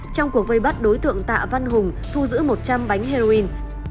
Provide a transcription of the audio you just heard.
trong cuộc vây bắt đối tượng tạ văn hùng thu giữ một trăm linh bánh heroin